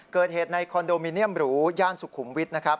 เกิดเหตุในคอนโดมิเนียมหรูย่านสุขุมวิทย์นะครับ